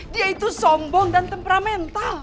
dia itu sombong dan temperamental